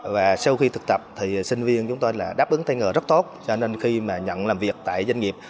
và sau khi thực tập thì sinh viên chúng tôi đáp ứng thay ngờ rất tốt cho nên khi nhận làm việc tại doanh nghiệp